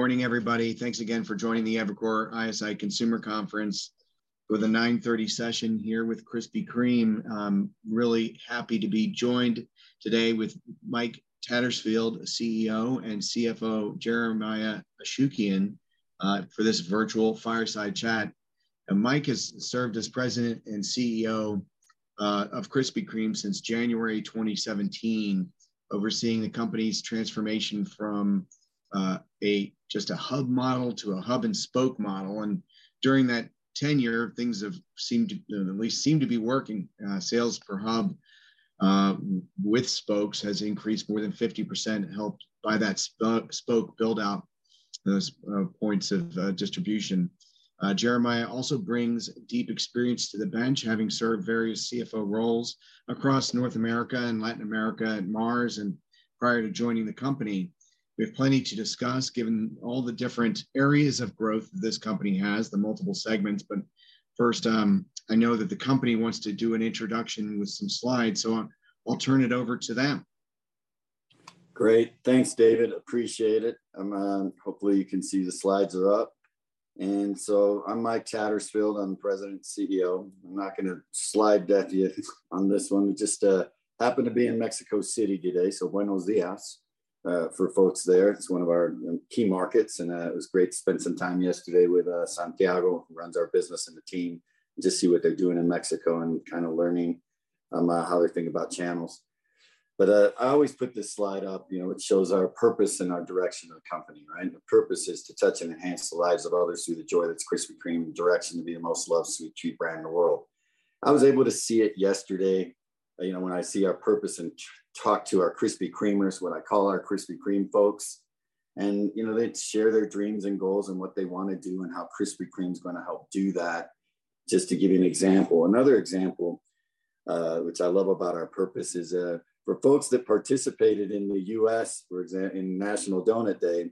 Good morning, everybody. Thanks again for joining the Evercore ISI Consumer Conference with a 9:30 A.M. session here with Krispy Kreme. Really happy to be joined today with Mike Tattersfield, CEO, and CFO, Jeremiah Ashukian, for this virtual fireside chat. Mike has served as President and CEO of Krispy Kreme since January 2017, overseeing the company's transformation from a hub model to a hub-and-spoke model. During that tenure, things have seemed to at least seem to be working. Sales per hub with spokes has increased more than 50%, helped by that spoke build-out, those points of distribution. Jeremiah also brings deep experience to the bench, having served various CFO roles across North America and Latin America at Mars and prior to joining the company. We have plenty to discuss, given all the different areas of growth this company has, the multiple segments. First, I know that the company wants to do an introduction with some slides, so I'll turn it over to them. Great. Thanks, David, appreciate it. Hopefully, you can see the slides are up. I'm Mike Tattersfield. I'm President and CEO. I'm not gonna slide deck you on this one. Just happen to be in Mexico City today, so buenos dias for folks there. It's one of our key markets, and it was great to spend some time yesterday with Santiago, who runs our business, and the team to see what they're doing in Mexico and kind of learning how they think about channels. I always put this slide up, you know, it shows our purpose and our direction of the company, right? The purpose is to touch and enhance the lives of others through the joy that's Krispy Kreme, and direction to be the most loved sweet treat brand in the world. I was able to see it yesterday. You know, when I see our purpose and talk to our Krispy Kremers, what I call our Krispy Kreme folks, and, you know, they share their dreams and goals and what they wanna do and how Krispy Kreme's gonna help do that, just to give you an example. Another example, which I love about our purpose, is for folks that participated in the U.S., in National Donut Day,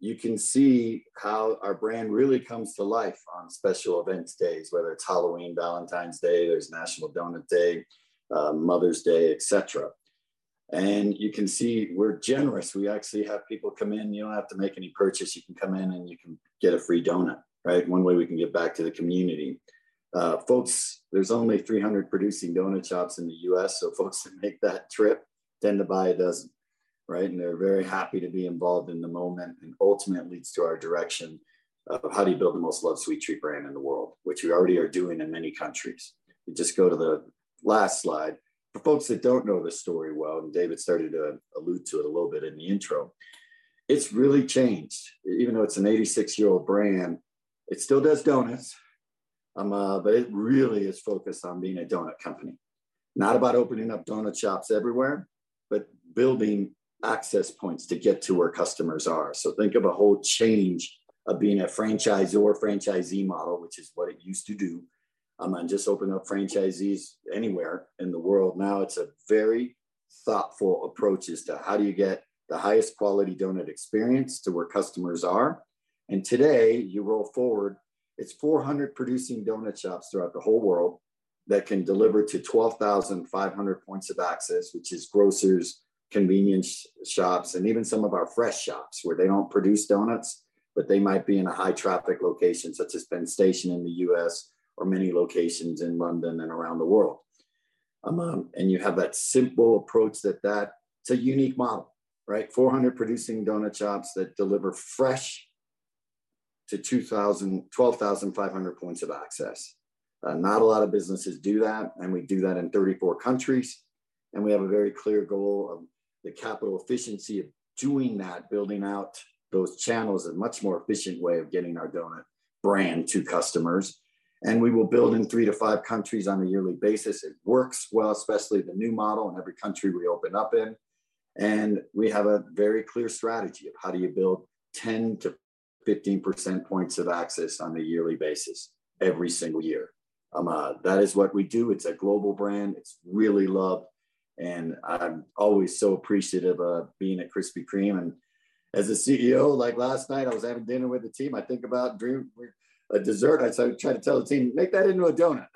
you can see how our brand really comes to life on special event days, whether it's Halloween, Valentine's Day, there's National Donut Day, Mother's Day, et cetera. You can see we're generous. We actually have people come in, you don't have to make any purchase, you can come in, and you can get a free donut, right? One way we can give back to the community. Folks, there's only 300 producing donut shops in the U.S., so folks that make that trip tend to buy a dozen, right? They're very happy to be involved in the moment, and ultimately, it leads to our direction of how do you build the most loved sweet treat brand in the world, which we already are doing in many countries. We just go to the last slide. For folks that don't know the story well, David started to allude to it a little bit in the intro, it's really changed. Even though it's an 86-year-old brand, it still does donuts, but it really is focused on being a donut company. Not about opening up donut shops everywhere, but building access points to get to where customers are. Think of a whole change of being a franchisor, franchisee model, which is what it used to do, and just open up franchisees anywhere in the world. Now it's a very thoughtful approach as to how do you get the highest quality donut experience to where customers are. Today, you roll forward, it's 400 producing donut shops throughout the whole world that can deliver to 12,500 points of access, which is grocers, convenience shops, and even some of our fresh shops, where they don't produce donuts, but they might be in a high-traffic location, such as Penn Station in the U.S. or many locations in London and around the world. You have that simple approach. It's a unique model, right? 400 producing donut shops that deliver fresh to 12,500 points of access. Not a lot of businesses do that, and we do that in 34 countries. We have a very clear goal of the capital efficiency of doing that, building out those channels, a much more efficient way of getting our donut brand to customers. We will build in three-five countries on a yearly basis. It works well, especially the new model, in every country we open up in, and we have a very clear strategy of how do you build 10%-15% points of access on a yearly basis every single year. That is what we do. It's a global brand. It's really loved, and I'm always so appreciative of being at Krispy Kreme. As a CEO, like last night, I was having dinner with the team, I think about a dessert. I started trying to tell the team, "Make that into a donut."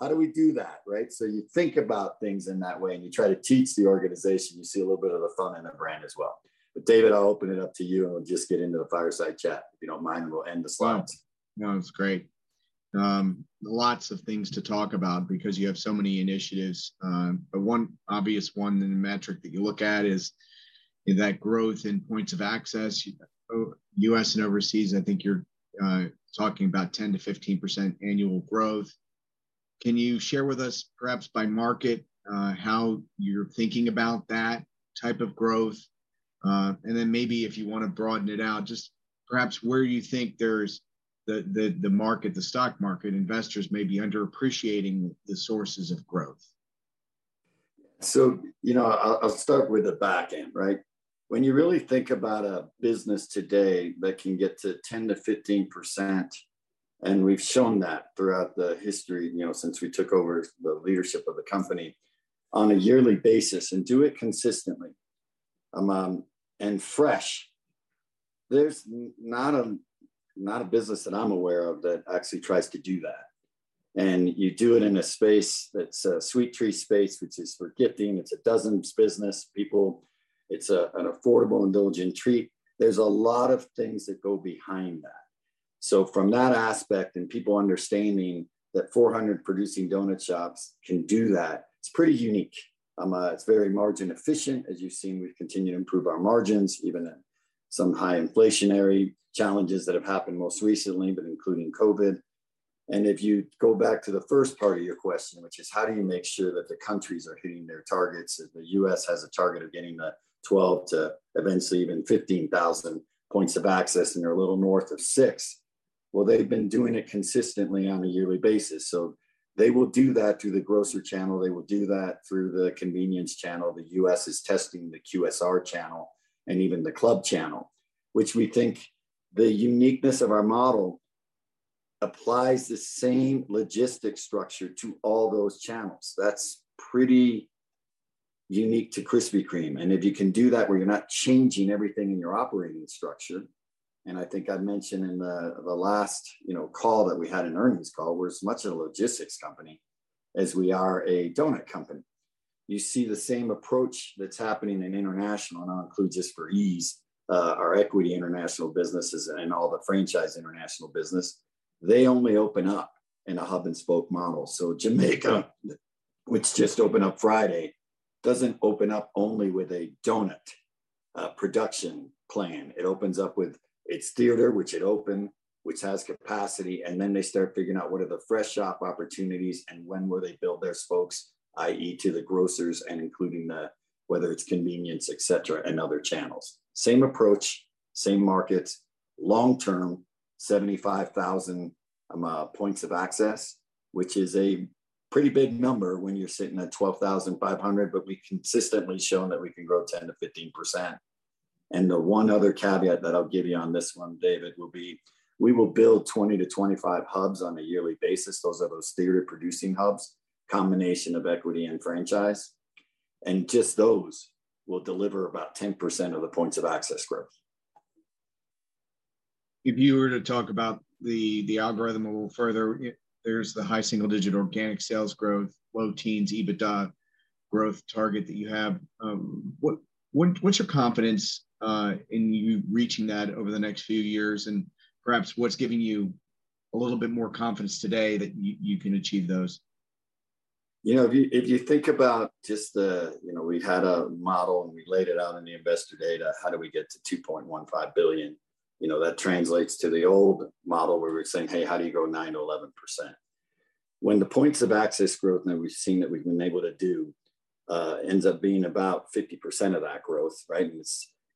How do we do that, right? You think about things in that way, and you try to teach the organization. You see a little bit of the fun in the brand as well. David, I'll open it up to you, and we'll just get into the fireside chat. If you don't mind, we'll end the slides. No, it's great. Lots of things to talk about because you have so many initiatives. One obvious one, and the metric that you look at is that growth in points of access, U.S. and overseas, I think you're talking about 10%-15% annual growth. Can you share with us, perhaps by market, how you're thinking about that type of growth? Maybe if you want to broaden it out, just perhaps where you think there's the, the market, the stock market, investors may be underappreciating the sources of growth. You know, I'll start with the back end, right? When you really think about a business today that can get to 10%-15%, and we've shown that throughout the history, you know, since we took over the leadership of the company, on a yearly basis and do it consistently, and fresh, there's not a business that I'm aware of that actually tries to do that. And you do it in a space that's a sweet treat space, which is for gifting. It's a dozens business, people. It's an affordable, indulgent treat. There's a lot of things that go behind that. From that aspect, and people understanding that 400 producing donut shops can do that, it's pretty unique. It's very margin efficient. As you've seen, we've continued to improve our margins, even in some high inflationary challenges that have happened most recently, but including COVID. If you go back to the first part of your question, which is: How do you make sure that the countries are hitting their targets? If the U.S. has a target of getting to 12 to eventually even 15,000 points of access, and they're a little north of six. Well, they've been doing it consistently on a yearly basis, so they will do that through the grocer channel. They will do that through the convenience channel. The U.S. is testing the QSR channel and even the club channel, which we think the uniqueness of our model applies the same logistics structure to all those channels. That's pretty unique to Krispy Kreme. If you can do that where you're not changing everything in your operating structure. I think I mentioned in the last, you know, call that we had, an earnings call, we're as much a logistics company as we are a donut company. You see the same approach that's happening in international, and I'll include just for ease, our equity international businesses and all the franchise international business. They only open up in a hub-and-spoke model. Jamaica, which just opened up Friday, doesn't open up only with a donut production plan. It opens up with its theater, which it opened, which has capacity, and then they start figuring out what are the fresh shop opportunities and when will they build their spokes, i.e., to the grocers and including whether it's convenience, et cetera, and other channels. Same approach, same markets. Long term, 75,000 points of access, which is a pretty big number when you're sitting at 12,500, but we've consistently shown that we can grow 10%-15%. The one other caveat that I'll give you on this one, David, will be, we will build 20-25 hubs on a yearly basis. Those are those theater-producing hubs, combination of equity and franchise, and just those will deliver about 10% of the points of access growth. If you were to talk about the algorithm a little further, there's the high single-digit organic sales growth, low teens EBITDA growth target that you have. What's your confidence in you reaching that over the next few years? Perhaps, what's giving you a little bit more confidence today that you can achieve those? You know, if you, if you think about just the. You know, we had a model, and we laid it out in the Investor Day, how do we get to $2.15 billion? You know, that translates to the old model, where we're saying, "Hey, how do you grow 9%-11%?" When the points-of-access growth that we've seen, that we've been able to do, ends up being about 50% of that growth, right?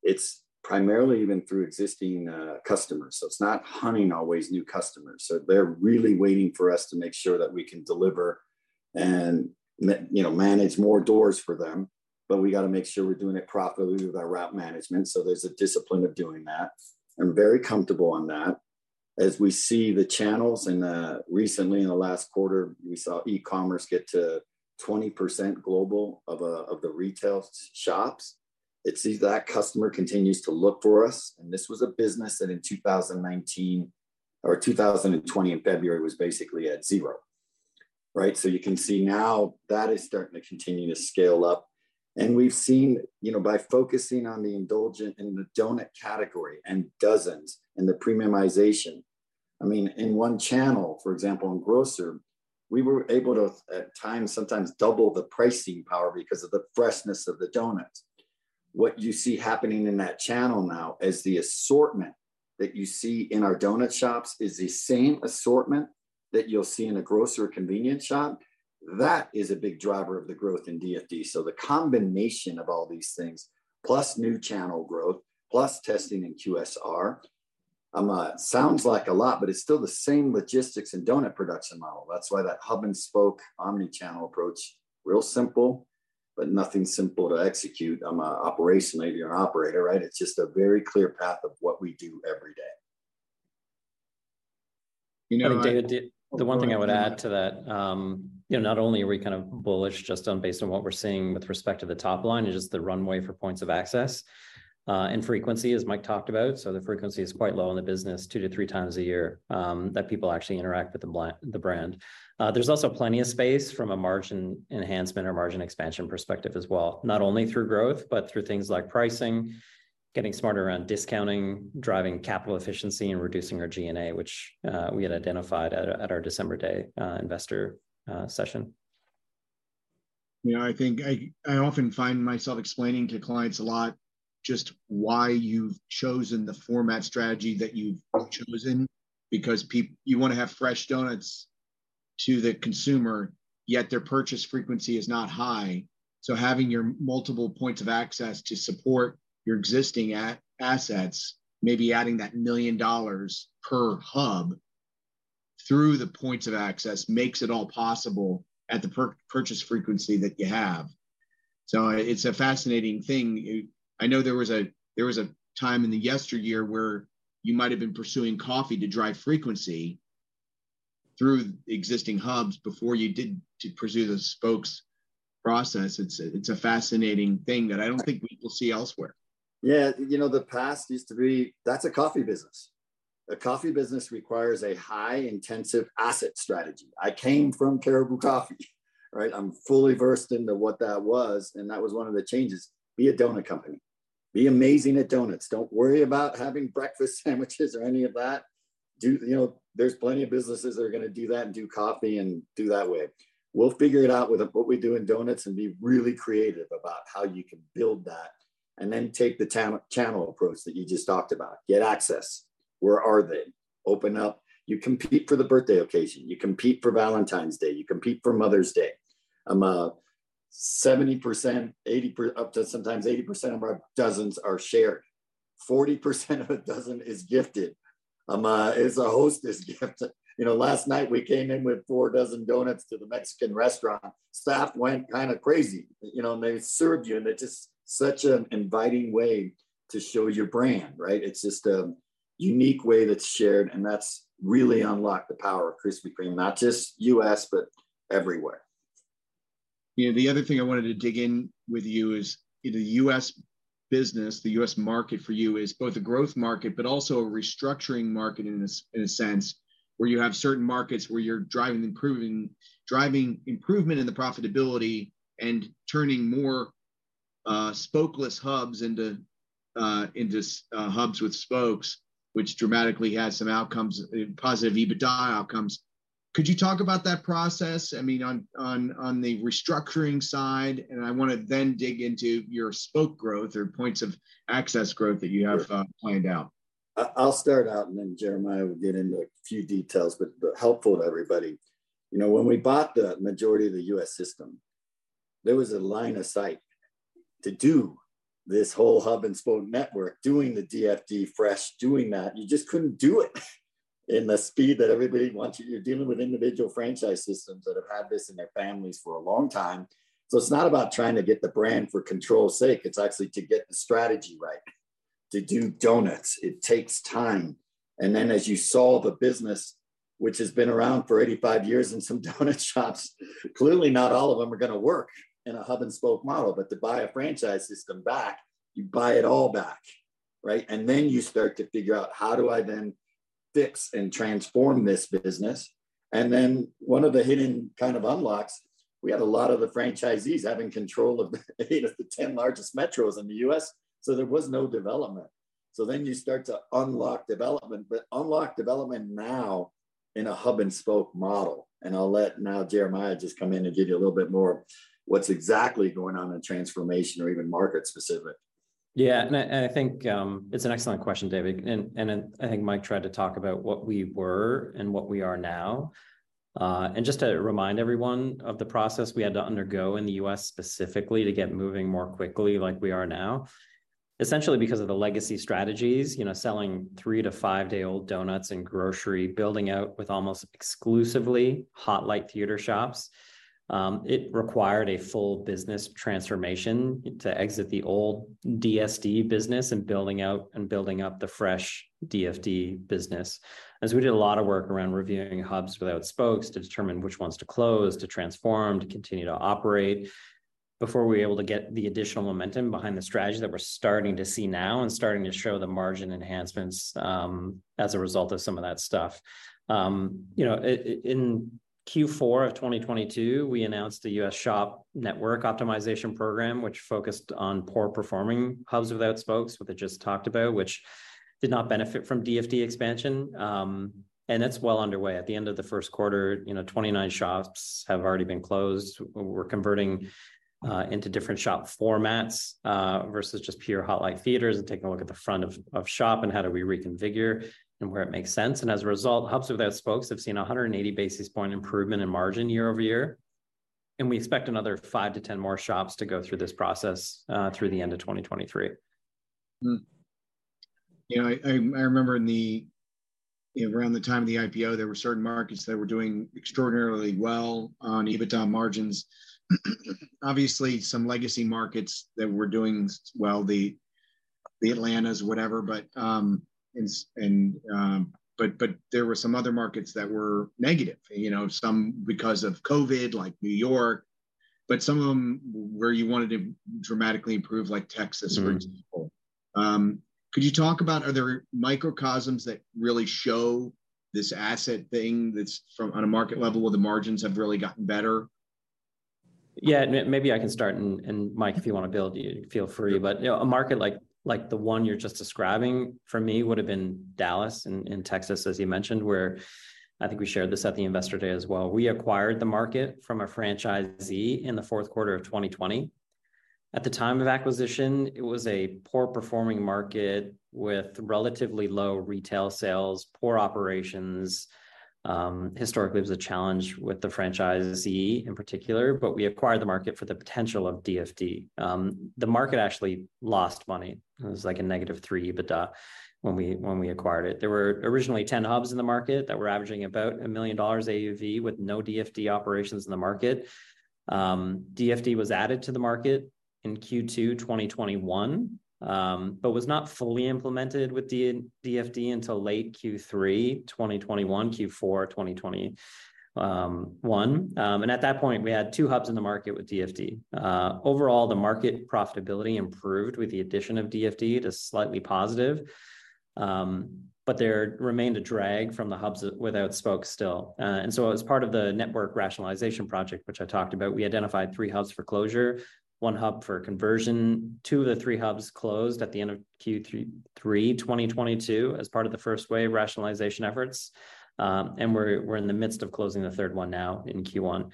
It's primarily even through existing customers, so it's not hunting always new customers. They're really waiting for us to make sure that we can deliver and you know, manage more doors for them, but we've got to make sure we're doing it properly with our route management, so there's a discipline of doing that. I'm very comfortable on that. We see the channels, and recently in the last quarter, we saw e-commerce get to 20% global of the retail shops. It seems that customer continues to look for us, and this was a business that in 2019, or 2020 in February, was basically at zero, right? You can see now that is starting to continue to scale up, and we've seen, you know, by focusing on the indulgent and the donut category and dozens and the premiumization. I mean, in one channel, for example, in grocer, we were able to, at times, sometimes double the pricing power because of the freshness of the donuts. What you see happening in that channel now is the assortment that you see in our donut shops is the same assortment that you'll see in a grocer or convenience shop. That is a big driver of the growth in DFD. The combination of all these things, plus new channel growth, plus testing in QSR, sounds like a lot, but it's still the same logistics and donut production model. That's why that hub-and-spoke, omni-channel approach, real simple, but nothing simple to execute on a operationally if you're an operator, right? It's just a very clear path of what we do every day. You know, David- David, the one thing I would add to that, you know, not only are we kind of bullish just on based on what we're seeing with respect to the top line and just the runway for points of access, and frequency, as Mike talked about, the frequency is quite low in the business, two-three times a year, that people actually interact with the brand. There's also plenty of space from a margin enhancement or margin expansion perspective as well, not only through growth, but through things like pricing, getting smarter around discounting, driving capital efficiency, and reducing our G&A, which we had identified at our Investor Day session. You know, I think I often find myself explaining to clients a lot just why you've chosen the format strategy that you've chosen. you want to have fresh donuts to the consumer, yet their purchase frequency is not high. having your multiple points of access to support your existing assets, maybe adding that million dollars per hub through the points of access, makes it all possible at the purchase frequency that you have. it's a fascinating thing. I know there was a time in the yesteryear where you might have been pursuing coffee to drive frequency through existing hubs before you did, to pursue the spokes process, it's a fascinating thing that I don't think we will see elsewhere. Yeah, you know, the past used to be, that's a coffee business. A coffee business requires a high intensive asset strategy. I came from Caribou Coffee, right? I'm fully versed into what that was, and that was one of the changes. Be a donut company. Be amazing at donuts. Don't worry about having breakfast sandwiches or any of that. you know, there's plenty of businesses that are gonna do that, and do coffee, and do that way. We'll figure it out with what we do in donuts and be really creative about how you can build that, and then take the channel approach that you just talked about. Get access. Where are they? Open up. You compete for the birthday occasion, you compete for Valentine's Day, you compete for Mother's Day. 70%, up to sometimes 80% of our dozens are shared. 40% of a dozen is gifted. Is a hostess gift. You know, last night we came in with four dozen doughnuts to the Mexican restaurant. Staff went kind of crazy, you know, they served you, they're just such an inviting way to show your brand, right? It's just a unique way that's shared, that's really unlocked the power of Krispy Kreme, not just U.S., but everywhere. You know, the other thing I wanted to dig in with you is, you know, U.S. business, the U.S. market for you is both a growth market, but also a restructuring market in a sense, where you have certain markets where you're driving improvement in the profitability and turning more spokeless hubs into hubs with spokes, which dramatically has some outcomes, positive EBITDA outcomes. Could you talk about that process? I mean, on the restructuring side, and I want to then dig into your spoke growth or points of access growth that you have- Sure. planned out. I'll start out, and then Jeremiah will get into a few details, but helpful to everybody. You know, when we bought the majority of the U.S. system, there was a line of sight to do this whole hub-and-spoke network, doing the DFD fresh, doing that. You just couldn't do it in the speed that everybody wants you. You're dealing with individual franchise systems that have had this in their families for a long time. It's not about trying to get the brand for control's sake, it's actually to get the strategy right. To do donuts, it takes time. As you saw, the business, which has been around for 85 years in some donut shops, clearly not all of them are gonna work in a hub-and-spoke model. To buy a franchise system back, you buy it all back, right? You start to figure out: How do I then fix and transform this business? One of the hidden kind of unlocks, we had a lot of the franchisees having control of the eight of the 10 largest metros in the U.S., so there was no development. You start to unlock development, but unlock development now in a hub-and-spoke model. I'll let now Jeremiah just come in and give you a little bit more what's exactly going on in the transformation or even market specific. Yeah, and I think, it's an excellent question, David. I think Mike tried to talk about what we were and what we are now. Just to remind everyone of the process we had to undergo in the U.S. specifically to get moving more quickly like we are now, essentially because of the legacy strategies, you know, selling three- to five-day-old doughnuts and grocery, building out with almost exclusively Hot Light Theater shops. It required a full business transformation to exit the old DSD business and building up the fresh DFD business. As we did a lot of work around reviewing hubs without spokes to determine which ones to close, to transform, to continue to operate, before we were able to get the additional momentum behind the strategy that we're starting to see now and starting to show the margin enhancements, as a result of some of that stuff. you know, it, in Q4 of 2022, we announced a U.S. shop network optimization program, which focused on poor-performing hubs without spokes, what I just talked about, which did not benefit from DFD expansion. That's well underway. At the end of the first quarter, you know, 29 shops have already been closed. We're converting into different shop formats, versus just pure Hot Light Theaters and taking a look at the front of shop and how do we reconfigure, and where it makes sense. As a result, hubs without spokes have seen 180 basis points improvement in margin year-over-year, and we expect another five-10 more shops to go through this process through the end of 2023. You know, I remember around the time of the IPO, there were certain markets that were doing extraordinarily well on EBITDA margins. Obviously, some legacy markets that were doing well, the Atlantas, whatever, but there were some other markets that were negative. You know, some because of COVID, like New York, but some of them where you wanted to dramatically improve, like Texas, for example. Mm. Could you talk about other microcosms that really show this asset thing that's from... on a market level where the margins have really gotten better? Yeah, maybe I can start, and Mike, if you want to build, you feel free. Sure. You know, a market like the one you're just describing for me would've been Dallas and Texas, as you mentioned, where I think we shared this at the Investor Day as well. We acquired the market from a franchisee in the fourth quarter of 2020. At the time of acquisition, it was a poor-performing market with relatively low retail sales, poor operations. Historically, it was a challenge with the franchisee in particular, we acquired the market for the potential of DFD. The market actually lost money. It was like a -3% EBITDA when we acquired it. There were originally 10 hubs in the market that were averaging about $1 million AUV with no DFD operations in the market. DFD was added to the market. in Q2 2021, but was not fully implemented with DFD until late Q3 2021, Q4 2020, one. At that point, we had two hubs in the market with DFD. Overall, the market profitability improved with the addition of DFD to slightly positive. There remained a drag from the hubs without spokes still. As part of the network rationalization project, which I talked about, we identified three hubs for closure, one hub for conversion. Two of the three hubs closed at the end of Q3 2022 as part of the first wave rationalization efforts. We're in the midst of closing the third one now in Q1.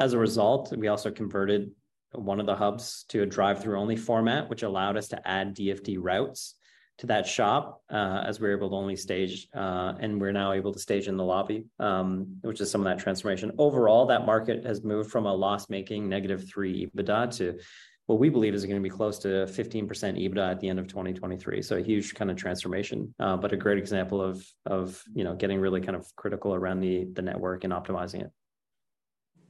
As a result, we also converted one of the hubs to a drive-through only format, which allowed us to add DFD routes to that shop, as we were able to only stage, and we're now able to stage in the lobby, which is some of that transformation. Overall, that market has moved from a loss-making -3% EBITDA to what we believe is going to be close to 15% EBITDA at the end of 2023. A huge kind of transformation, but a great example of, you know, getting really kind of critical around the network and optimizing it.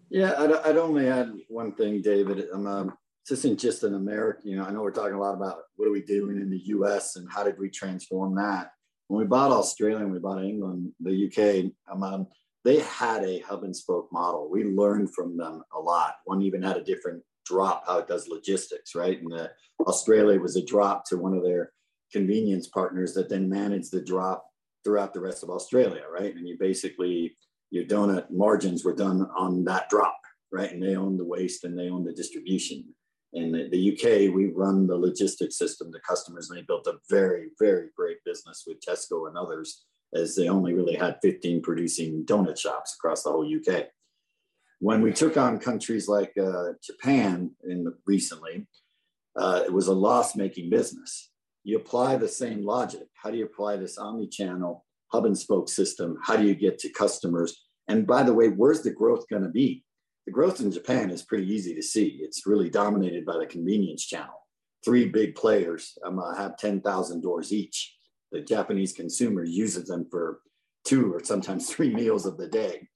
Yeah, I'd only add one thing, David. This isn't just in America, you know, I know we're talking a lot about what are we doing in the U.S., and how did we transform that? When we bought Australia, and we bought England, the U.K., they had a hub-and-spoke model. We learned from them a lot. One even had a different drop, how it does logistics, right? Australia was a drop to one of their convenience partners that then managed the drop throughout the rest of Australia, right? You basically, your donut margins were done on that drop, right? They owned the waste, and they owned the distribution. In the U.K., we run the logistics system, the customers, and they built a very, very great business with Tesco and others, as they only really had 15 producing donut shops across the whole U.K. When we took on countries like Japan recently, it was a loss-making business. You apply the same logic. How do you apply this omni-channel, hub-and-spoke system? How do you get to customers? By the way, where's the growth going to be? The growth in Japan is pretty easy to see. It's really dominated by the convenience channel. Three big players have 10,000 doors each. The Japanese consumer uses them for two or sometimes three meals of the day.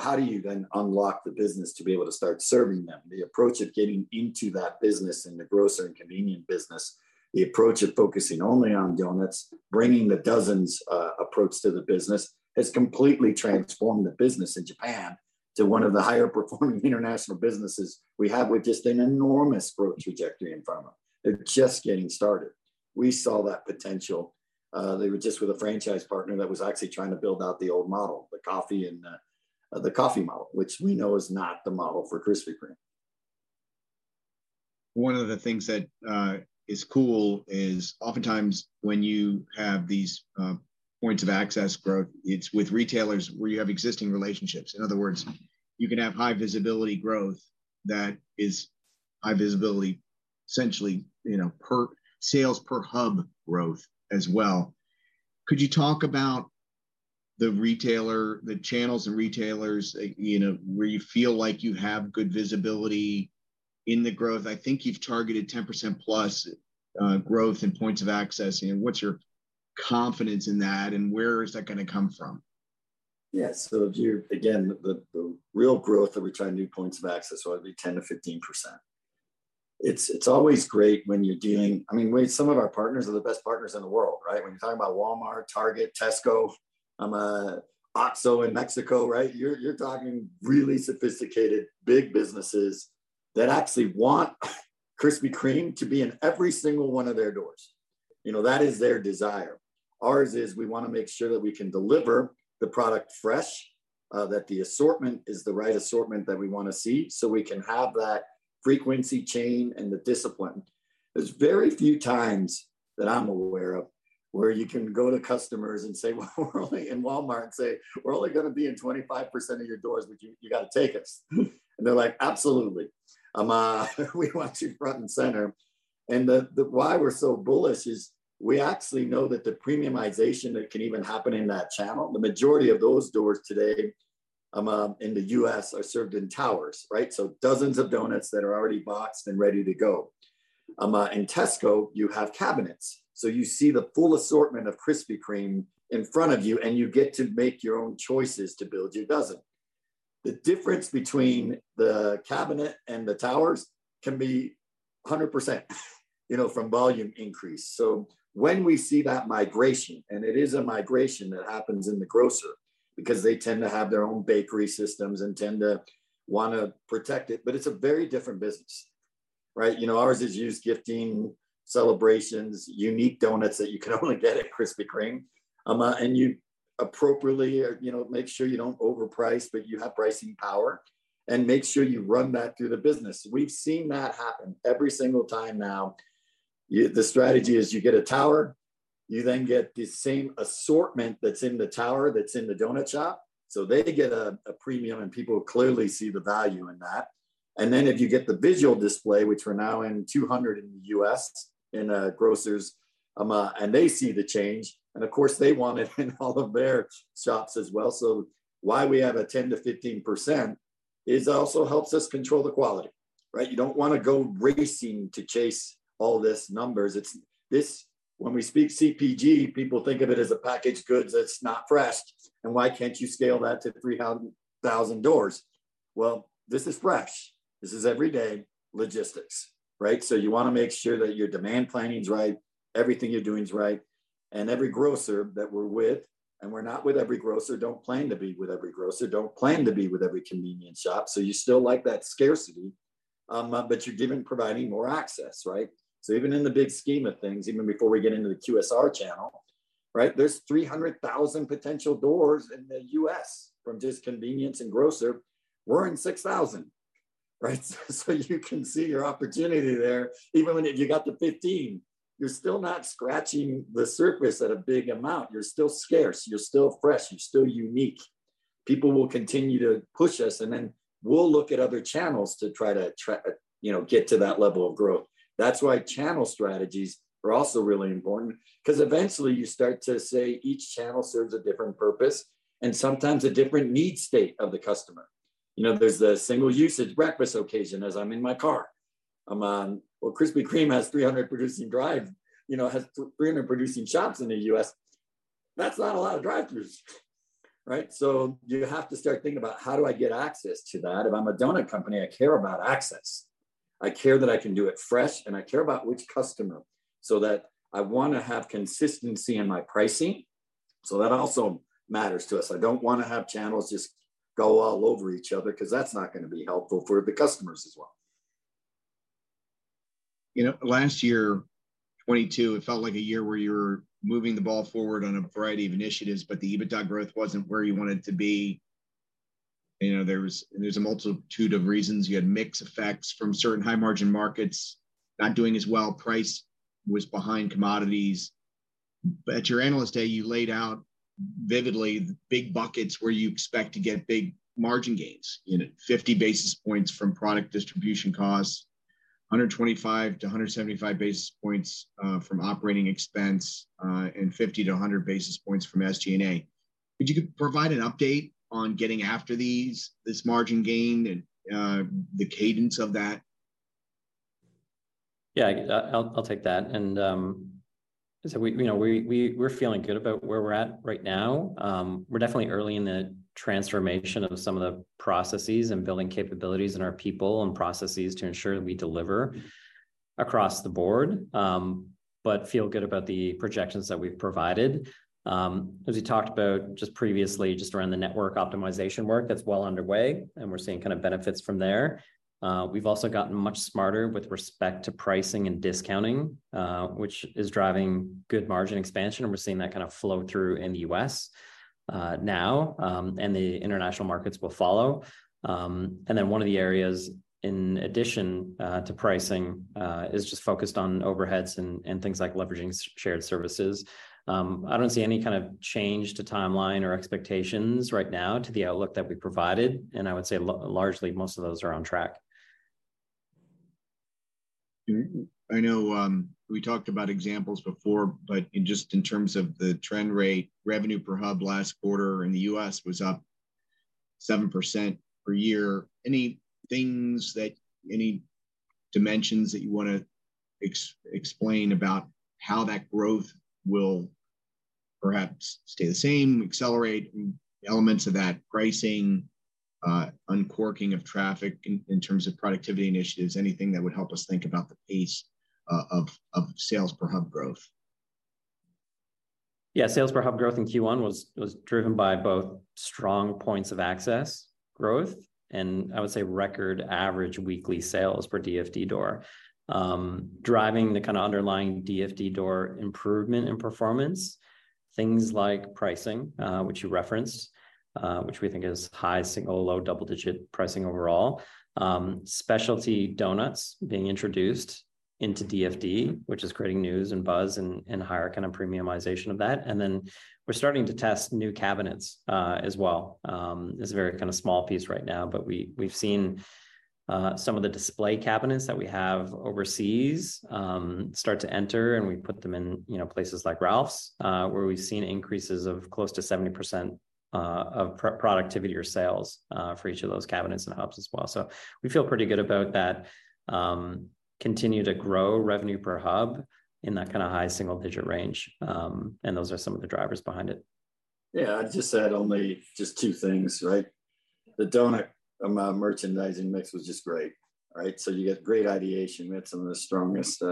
How do you then unlock the business to be able to start serving them? The approach of getting into that business in the grocer and convenience business, the approach of focusing only on donuts, bringing the dozens approach to the business, has completely transformed the business in Japan to one of the higher performing international businesses we have with just an enormous growth trajectory in front of them. They're just getting started. We saw that potential. They were just with a franchise partner that was actually trying to build out the old model, the coffee and the coffee model, which we know is not the model for Krispy Kreme. One of the things that is cool is oftentimes when you have these points of access growth, it's with retailers where you have existing relationships. In other words, you can have high visibility growth that is high visibility, essentially, you know, sales per hub growth as well. Could you talk about the channels and retailers, you know, where you feel like you have good visibility in the growth? I think you've targeted 10%+ growth in points of access. What's your confidence in that, and where is that going to come from? Yeah. Again, the real growth that we try and do points of access would be 10%-15%. It's always great. I mean, some of our partners are the best partners in the world, right? When you're talking about Walmart, Target, Tesco, Oxxo in Mexico, right? You're talking really sophisticated, big businesses that actually want Krispy Kreme to be in every single one of their doors. You know, that is their desire. Ours is, we want to make sure that we can deliver the product fresh, that the assortment is the right assortment that we want to see, so we can have that frequency chain and the discipline. There's very few times that I'm aware of where you can go to customers and say, "Well, we're only in Walmart," and say, "We're only going to be in 25% of your doors, but you got to take us." They're like: Absolutely, we want you front and center. The why we're so bullish is we actually know that the premiumization that can even happen in that channel, the majority of those doors today, in the U.S., are served in towers, right? So dozens of doughnuts that are already boxed and ready to go. In Tesco, you have cabinets, so you see the full assortment of Krispy Kreme in front of you, and you get to make your own choices to build your dozen. The difference between the cabinet and the towers can be 100%, you know, from volume increase. When we see that migration, and it is a migration that happens in the grocer because they tend to have their own bakery systems and tend to want to protect it. It's a very different business, right? You know, ours is used gifting, celebrations, unique donuts that you can only get at Krispy Kreme. You appropriately, you know, make sure you don't overprice, but you have pricing power, and make sure you run that through the business. We've seen that happen every single time now. The strategy is you get a tower, you then get the same assortment that's in the tower that's in the donut shop. They get a premium, and people clearly see the value in that. If you get the visual display, which we're now in 200 in the U.S., in grocers, and they see the change, and of course, they want it in all of their shops as well. Why we have a 10%-15% is also helps us control the quality, right? You don't want to go racing to chase all this numbers. When we speak CPG, people think of it as a packaged goods that's not fresh. "Why can't you scale that to 300,000 doors?" This is fresh. This is every day logistics, right? You want to make sure that your demand planning is right, everything you're doing is right, and every grocer that we're with, and we're not with every grocer, don't plan to be with every grocer, don't plan to be with every convenience shop. You still like that scarcity, you're giving, providing more access, right? Even in the big scheme of things, even before we get into the QSR channel, right, there's 300,000 potential doors in the U.S. from just convenience and grocer. We're in 6,000, right? So you can see your opportunity there. Even when if you got to 15, you're still not scratching the surface at a big amount. You're still scarce, you're still fresh, you're still unique. People will continue to push us, we'll look at other channels to try to you know, get to that level of growth. That's why channel strategies are also really important. 'Cause eventually you start to say each channel serves a different purpose and sometimes a different need state of the customer. You know, there's the single usage breakfast occasion as I'm in my car. Well, Krispy Kreme has 300 producing shops in the U.S. That's not a lot of drive-throughs, right? You have to start thinking about, how do I get access to that? If I'm a donut company, I care about access. I care that I can do it fresh, and I care about which customer, so that I wanna have consistency in my pricing. That also matters to us. I don't wanna have channels just go all over each other, 'cause that's not gonna be helpful for the customers as well. You know, last year, 2022, it felt like a year where you were moving the ball forward on a variety of initiatives, but the EBITDA growth wasn't where you want it to be. You know, there's a multitude of reasons. You had mix effects from certain high-margin markets not doing as well. Price was behind commodities. At your Investor Day, you laid out vividly the big buckets where you expect to get big margin gains, you know, 50 basis points from product distribution costs, 125-175 basis points from operating expense, and 50-100 basis points from SG&A. Could you provide an update on getting after these, this margin gain and the cadence of that? Yeah, I'll take that. You know, we're feeling good about where we're at right now. We're definitely early in the transformation of some of the processes and building capabilities in our people and processes to ensure that we deliver across the board. Feel good about the projections that we've provided. As we talked about just previously, just around the network optimization work, that's well underway, and we're seeing kind of benefits from there. We've also gotten much smarter with respect to pricing and discounting, which is driving good margin expansion, and we're seeing that kind of flow through in the U.S. now. The international markets will follow. One of the areas in addition to pricing is just focused on overheads and things like leveraging shared services. I don't see any kind of change to timeline or expectations right now to the outlook that we provided. I would say largely, most of those are on track. I know, we talked about examples before, in just in terms of the trend rate, revenue per hub last quarter in the U.S. was up 7% per year. Any things that, any dimensions that you want to explain about how that growth will perhaps stay the same, accelerate, elements of that, pricing, uncorking of traffic in terms of productivity initiatives, anything that would help us think about the pace of sales per hub growth? Yeah, sales per hub growth in Q1 was driven by both strong points of access growth and I would say record average weekly sales per DFD door. Driving the kind of underlying DFD door improvement in performance, things like pricing, which you referenced, which we think is high single or low double-digit pricing overall. Specialty doughnuts being introduced into DFD, which is creating news and buzz and higher kind of premiumization of that. Then we're starting to test new cabinets as well. It's a very kind of small piece right now, but we've seen some of the display cabinets that we have overseas start to enter, and we put them in places like Ralphs, where we've seen increases of close to 70% of productivity or sales for each of those cabinets and hubs as well. We feel pretty good about that. Continue to grow revenue per hub in that kind of high single-digit range, those are some of the drivers behind it. I'd just add only just two things, right? The doughnut merchandising mix was just great, right? You get great ideation with some of the strongest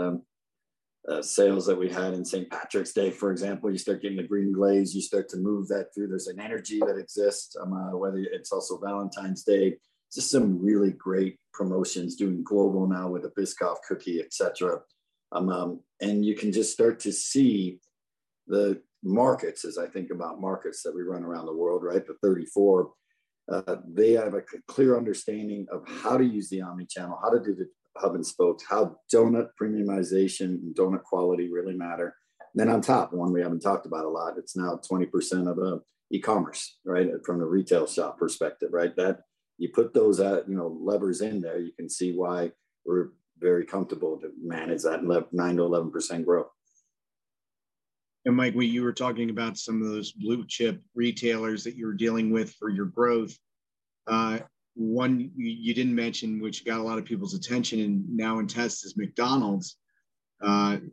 sales that we had in St. Patrick's Day, for example. You start getting the green glaze, you start to move that through. There's an energy that exists, whether it's also Valentine's Day, just some really great promotions doing global now with the Biscoff cookie, et cetera. You can just start to see the markets, as I think about markets that we run around the world, right, the 34. They have a clear understanding of how to use the omni-channel, how to do the hub-and-spoke, how doughnut premiumization and doughnut quality really matter. On top, one we haven't talked about a lot, it's now 20% of the e-commerce, right, from a retail shop perspective, right? You put those at, you know, levers in there, you can see why we're very comfortable to manage that 9%-11% growth. Mike, when you were talking about some of those blue-chip retailers that you're dealing with for your growth, one you didn't mention, which got a lot of people's attention and now in test, is McDonald's.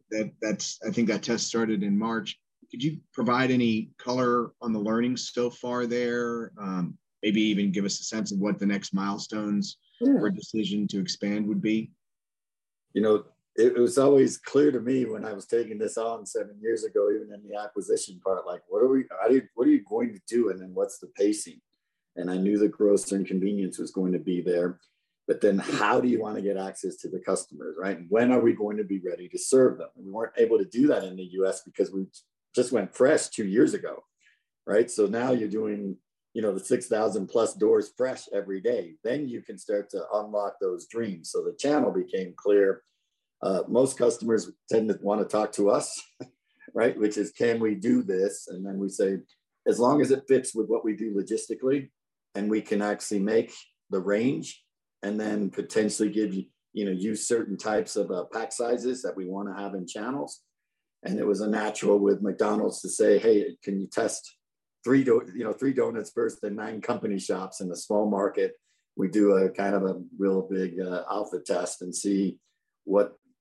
That's, I think that test started in March. Could you provide any color on the learnings so far there? maybe even give us a sense of what the next milestones? Sure. or decision to expand would be? You know, it was always clear to me when I was taking this on seven years ago, even in the acquisition part, like, what are you going to do, and then what's the pacing? I knew the gross inconvenience was going to be there, but then how do you want to get access to the customers, right? When are we going to be ready to serve them? We weren't able to do that in the U.S. because we just went fresh two years ago, right? Now you're doing, you know, the 6,000+ doors fresh every day, then you can start to unlock those dreams. The channel became clear. Most customers tend to want to talk to us, right? Which is, "Can we do this?" Then we say, "As long as it fits with what we do logistically, and we can actually make the range, then potentially give, you know, use certain types of pack sizes that we wanna have in channels." It was a natural with McDonald's to say, "Hey, can you test three, you know, three donuts first in nine company shops in a small market?" We do a kind of a real big alpha test and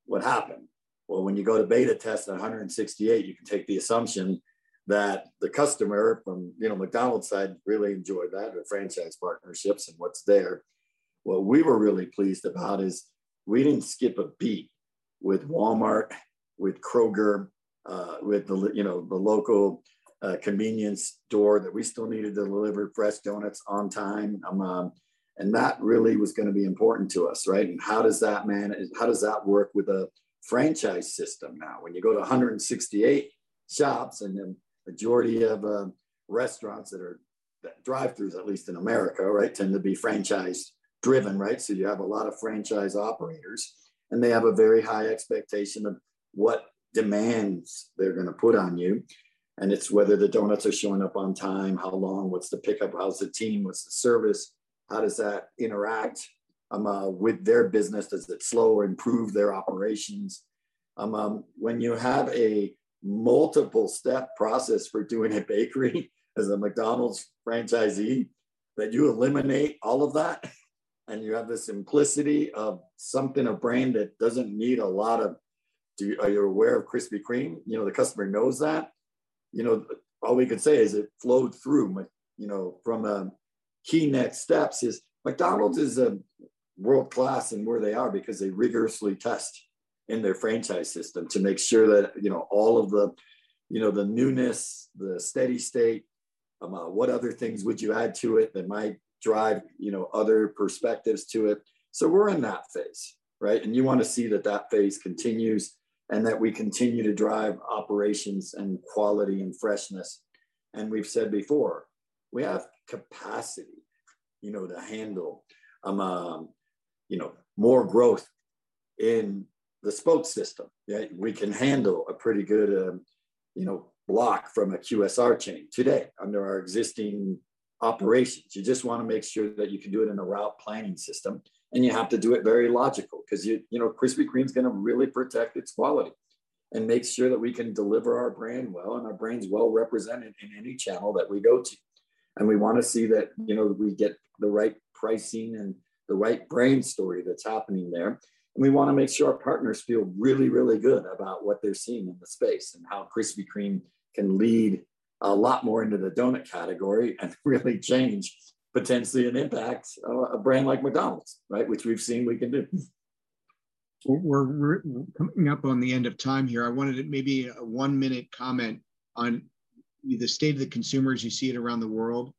see what happened. Well, when you go to beta test at 168, you can take the assumption that the customer from, you know, McDonald's side really enjoyed that, the franchise partnerships and what's there. What we were really pleased about is we didn't skip a beat with Walmart, with Kroger, you know, the local convenience store that we still needed to deliver fresh doughnuts on time. That really was gonna be important to us, right? How does that work with a franchise system now? When you go to 168 shops, the majority of restaurants that drive-throughs, at least in America, right, tend to be franchise-driven, right? You have a lot of franchise operators, and they have a very high expectation of what demands they're gonna put on you, and it's whether the doughnuts are showing up on time, how long, what's the pickup, how's the team, what's the service? How does that interact with their business? Does it slow or improve their operations? When you have a multiple-step process for doing a bakery as a McDonald's franchisee, that you eliminate all of that, and you have the simplicity of something, a brand that doesn't need a lot of... Are you aware of Krispy Kreme? You know, the customer knows that. You know, all we can say is it flowed through you know, from key next steps is McDonald's is a world-class in where they are because they rigorously test in their franchise system to make sure that, you know, all of the, you know, the newness, the steady state, what other things would you add to it that might drive, you know, other perspectives to it? We're in that phase, right? You want to see that that phase continues, and that we continue to drive operations and quality and freshness. We've said before, we have capacity, you know, to handle, you know, more growth in the spoke system, yeah? We can handle a pretty good, you know, block from a QSR chain today under our existing operations. You just wanna make sure that you can do it in a route planning system, and you have to do it very logical, 'cause you know, Krispy Kreme's gonna really protect its quality and make sure that we can deliver our brand well, and our brand's well-represented in any channel that we go to. We wanna see that, you know, we get the right pricing and the right brand story that's happening there. We wanna make sure our partners feel really, really good about what they're seeing in the space and how Krispy Kreme can lead a lot more into the donut category and really change, potentially, and impact a brand like McDonald's, right? Which we've seen we can do. We're coming up on the end of time here. I wanted maybe a one-minute comment on the state of the consumer as you see it around the world,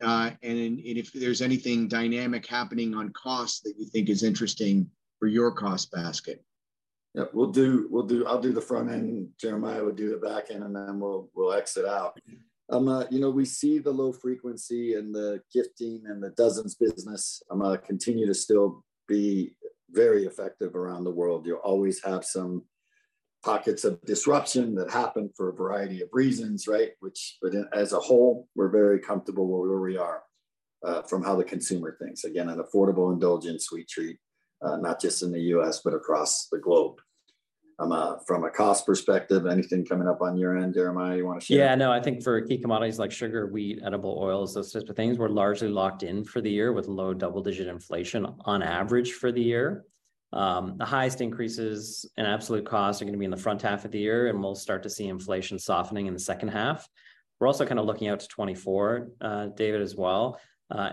and if there's anything dynamic happening on cost that you think is interesting for your cost basket. Yeah, we'll do... I'll do the front end... Okay. Jeremiah will do the back end, and then we'll exit out. You know, we see the low frequency and the gifting and the dozens business continue to still be very effective around the world. You'll always have some pockets of disruption that happen for a variety of reasons, right? Which, as a whole, we're very comfortable where we are from how the consumer thinks. Again, an affordable, indulgent sweet treat, not just in the US, but across the globe. From a cost perspective, anything coming up on your end, Jeremiah, you want to share? Yeah, no, I think for key commodities like sugar, wheat, edible oils, those types of things, we're largely locked in for the year with low double-digit inflation on average for the year. The highest increases in absolute cost are gonna be in the front half of the year, and we'll start to see inflation softening in the second half. We're also kind of looking out to 2024, David, as well.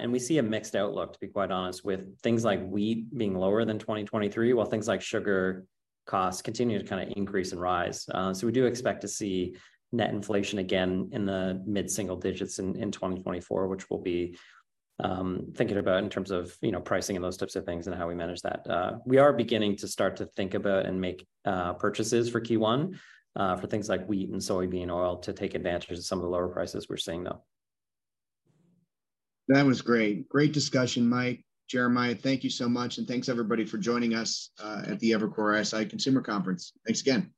We see a mixed outlook, to be quite honest, with things like wheat being lower than 2023, while things like sugar costs continue to kind of increase and rise. We do expect to see net inflation again in the mid-single digits in 2024, which we'll be thinking about in terms of, you know, pricing and those types of things and how we manage that. We are beginning to start to think about and make purchases for Q1, for things like wheat and soybean oil to take advantage of some of the lower prices we're seeing, though. That was great. Great discussion, Mike, Jeremiah. Thank you so much, and thanks everybody for joining us, at the Evercore ISI Consumer Conference. Thanks again.